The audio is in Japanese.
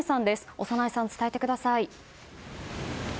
小山内さん、伝えてください。